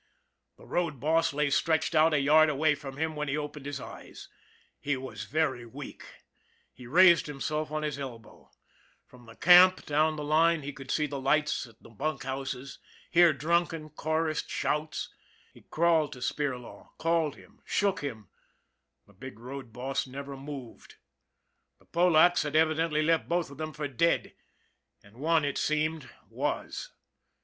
The road boss lay stretched out a yard away from him when he opened his eyes. He was very weak. He raised himself on his elbow. From the camp down the line he could see the lights in the bunk houses, hear drunken, chorused shouts. He crept to Spirlaw, called him, shook him the big road boss never moved. The Polacks had evidently left both of them for dead and one, it seemed, was.